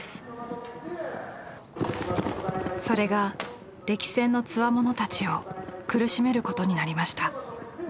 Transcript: それが歴戦のつわものたちを苦しめることになりました。